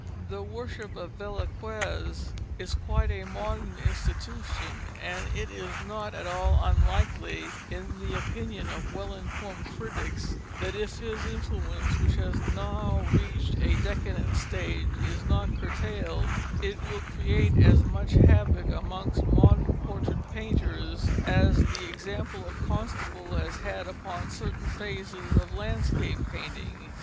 The worship of Velazquez is quite a modern institution, and it is not at all unlikely, in the opinion of well informed critics, that if his influence, which has now reached a decadent stage, is not curtailed it will create as much havoc amongst modern portrait painters as the example of Constable has had upon certain phases of landscape painting.